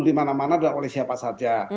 di mana mana oleh siapa saja